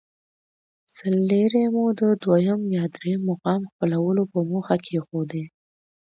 سل لیرې مو د دویم یا درېیم مقام خپلولو په موخه کېښودې.